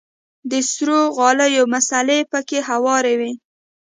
د سرو غاليو مصلې پکښې هوارې وې.